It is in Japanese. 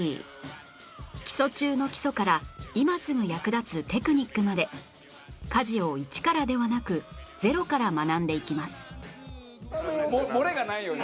基礎中の基礎から今すぐ役立つテクニックまで家事をイチからではなくゼロから学んでいきます